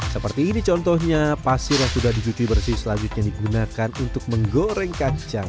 seperti ini contohnya pasir yang sudah dicuci bersih selanjutnya digunakan untuk menggoreng kacang